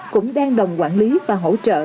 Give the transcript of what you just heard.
cũng đang đồng quản lý và hỗ trợ